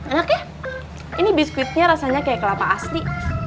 enak ya ini biskuitnya rasanya kayak kelapa asli